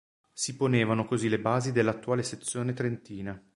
Si ponevano così le basi dell'attuale Sezione trentina.